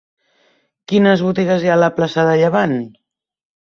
Quines botigues hi ha a la plaça de Llevant?